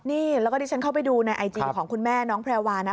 นี่แล้วก็ที่ฉันเข้าไปดูในไอจีของคุณแม่น้องแพรวานะ